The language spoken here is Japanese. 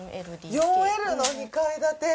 ４Ｌの２階建て。